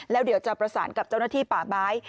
แล้วเดี๋ยวจะประสานกับเจ้าหน้าที่ป่าไม้